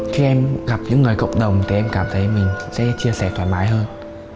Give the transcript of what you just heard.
khi em gặp những người cộng đồng thì em cảm thấy mình sẽ chia sẻ thoải mái hơn